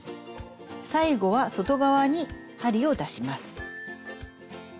最後は外側に針を出します。